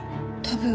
多分。